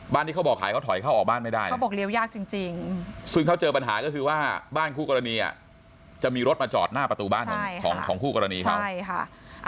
ที่เขาบอกขายเขาถอยเข้าออกบ้านไม่ได้เขาบอกเลี้ยวยากจริงซึ่งเขาเจอปัญหาก็คือว่าบ้านคู่กรณีจะมีรถมาจอดหน้าประตูบ้านของคู่กรณีเขาใช่ค่ะ